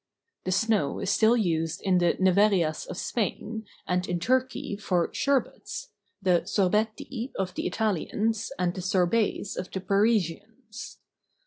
The snow is still used in the Neve rias of Spain, and in Turkey, for sherbets (the sorbetti of the Italians, and the sorbets of the Parisians).